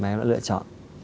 mà em đã lựa chọn